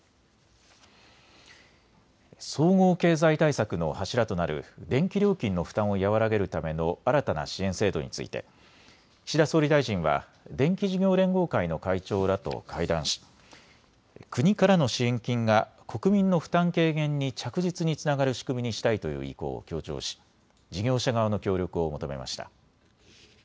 総合経済対策の柱となる電気料金の負担を和らげるための新たな支援制度について岸田総理大臣は電気事業連合会の会長らと会談し国からの支援金が国民の負担軽減に着実につながる仕組みにしたいという意向を強調し事業者側の協力を求めました。